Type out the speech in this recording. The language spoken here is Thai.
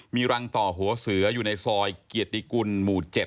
มีรังต่อหัวเสืออยู่ในซอยเกียรติกุลหมู่๗